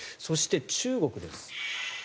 そして中国です。